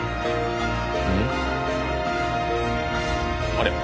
あれ？